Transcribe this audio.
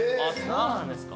そうなんですか？